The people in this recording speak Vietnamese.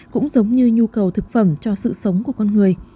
cũng giống như nhu cầu thực phẩm cho sự sống của con người